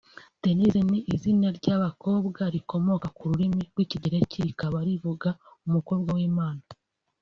Denise ni izina ry’abakobwa rikomoka ku rurimi rw’Ikigereki rikaba rivuga “Umukobwa w’Imana”